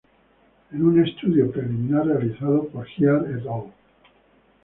En un estudio preliminar realizado por Jia et al.